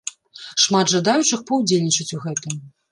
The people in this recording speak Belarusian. Шмат жадаючых паўдзельнічаць у гэтым.